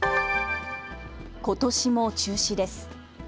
ことしも中止です。